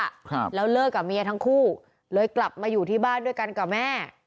ครับแล้วเลิกกับเมียทั้งคู่เลยกลับมาอยู่ที่บ้านด้วยกันกับแม่